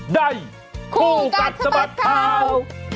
คู่กัดสะบัดข่าว